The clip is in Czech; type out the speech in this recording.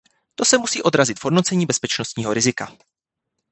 To se musí odrazit v hodnocení bezpečnostního rizika.